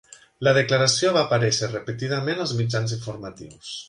La declaració va aparèixer repetidament als mitjans informatius.